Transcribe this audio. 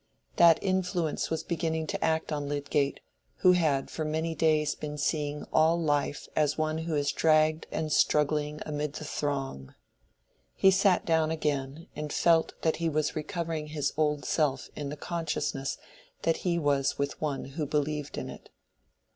That influence was beginning to act on Lydgate, who had for many days been seeing all life as one who is dragged and struggling amid the throng. He sat down again, and felt that he was recovering his old self in the consciousness that he was with one who believed in it.